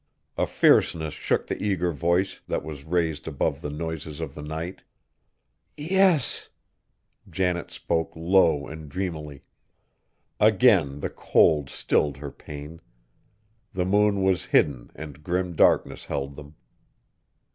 A fierceness shook the eager voice, that was raised above the noises of the night. "Yes!" Janet spoke low and dreamily; again the cold stilled her pain. The moon was hidden and grim darkness held them.